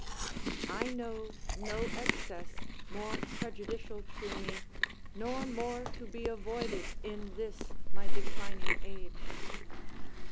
I know no excess more prejudicial to me, nor more to be avoided in this my declining age.